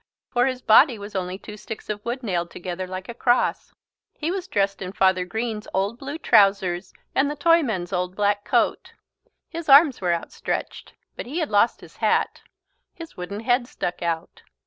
For his body was only two sticks of wood nailed together like a cross. He was dressed in Father Green's old blue trousers and the Toyman's old black coat. His arms were outstretched. But he had lost his hat. His wooden head stuck out.